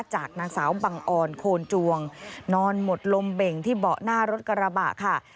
จากนางสาวบังออนโคนจวงนอนหมดลมเบ่งที่เบาะหน้ารถกระบะค่ะ